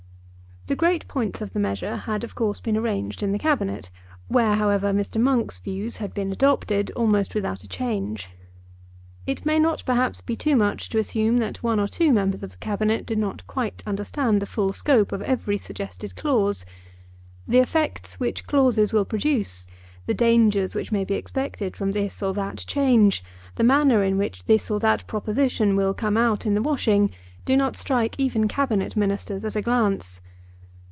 The great points of the measure had of course been arranged in the Cabinet, where, however, Mr. Monk's views had been adopted almost without a change. It may not perhaps be too much to assume that one or two members of the Cabinet did not quite understand the full scope of every suggested clause. The effects which clauses will produce, the dangers which may be expected from this or that change, the manner in which this or that proposition will come out in the washing, do not strike even Cabinet Ministers at a glance.